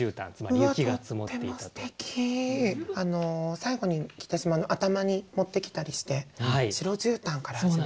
最後に来てしまうのを頭に持ってきたりして「白絨毯」から始める。